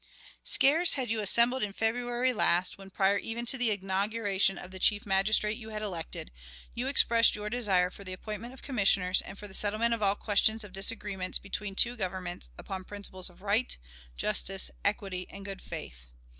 Scarce had you assembled in February last, when, prior even to the inauguration of the Chief Magistrate you had elected, you expressed your desire for the appointment of Commissioners, and for the settlement of all questions of disagreement between the two Governments upon principles of right, justice, equity, and good faith.